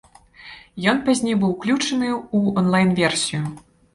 Ён пазней быў уключаны ў онлайн-версію.